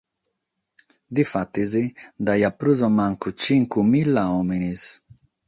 Difatis ddu aiat prus o mancu chimbe mìgia òmines.